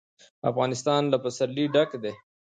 افغانستان له پسرلی ډک دی.